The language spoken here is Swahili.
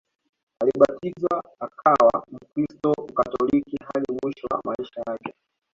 Alibatizwa akawa mkristo Mkatoliki hadi mwisho wa maisha yake